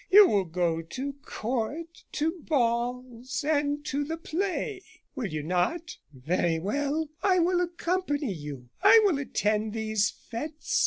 You will go to Court, to balls, and to the play, will you not? Very well, I will accompany you. I will attend these fetes.